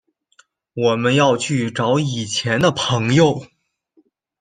我们要去找以前的朋友